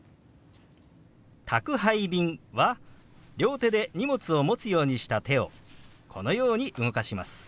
「宅配便」は両手で荷物を持つようにした手をこのように動かします。